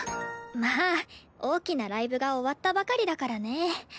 まあ大きなライブが終わったばかりだからね。